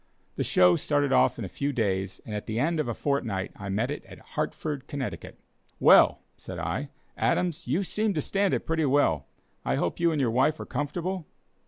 The "show" started off in a few days, and at the end of a fortnight I met it at Hartford, Connecticut. "Well," said I, "Adams, you seem to stand it pretty well. I hope you and your wife are comfortable?"